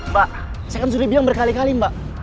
mbak saya kan sudah bilang berkali kali mbak